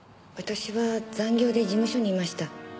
私は残業で事務所にいました。